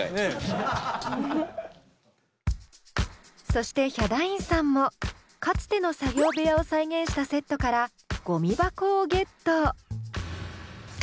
そしてヒャダインさんもかつての作業部屋を再現したセットからゴミ箱をゲット。